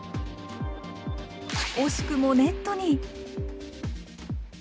惜しくもネットに。